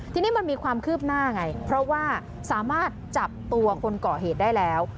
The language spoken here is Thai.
ทีนี้มันมีความคืบหน้าไงเพราะว่าสามารถจับตัวคนก่อเหตุได้แล้ว